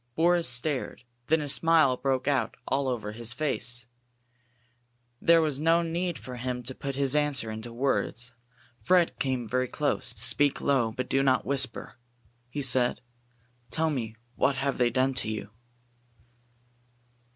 Boris stared; then a smile broke out all over his face. There was no need for him to put his answer into words. Fred came very close. "Speak low, but do not whisper," he said. "Tell me, what have they done to you?"